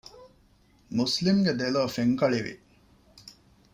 މުސްލިމްގެ ދެލޯ ފެންކަޅިވި